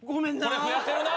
これ増やせるな。